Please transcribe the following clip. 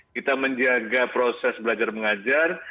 kita menjaga proses belajar mengajar